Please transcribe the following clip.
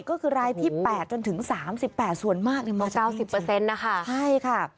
ก็คือรายที่๘จนถึง๓๘ส่วนมากเลยมาจากนี้จริง๙๐นะคะใช่ค่ะ